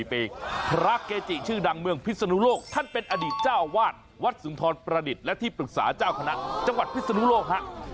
พระเกจิชื่อดังเมืองพิศนุโลกท่านเป็นอดีตเจ้าวาดวัดสุนทรประดิษฐ์และที่ปรึกษาเจ้าคณะจังหวัดพิศนุโลกฮะ